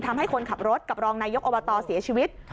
ทำให้คนขับรถกับรองนายกอบตเสียชีวิต